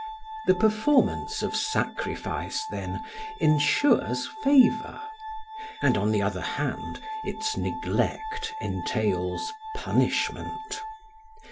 The performance of sacrifice, then, ensures favour; and on the other hand its neglect entails punishment.